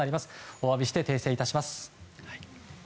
お詫びして訂正いたします。